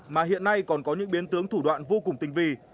mà hiện nay còn có những biến tướng thủ đoạn vô cùng tinh vi